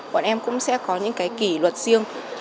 bọn em cũng sẽ có những kỷ luật riêng